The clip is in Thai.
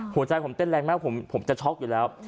หัวใจผมเต้นแรงมากผมจะช็อกอยู่แล้ว